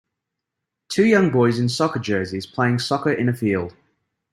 Two young boys in soccer jerseys, playing soccer in a field.